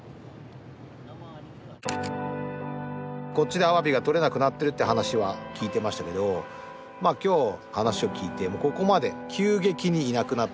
こっちでアワビが捕れなくなってるっていう話は聞いてましたけど今日話を聞いてここまで急激にいなくなった。